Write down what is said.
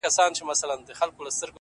لويه گناه _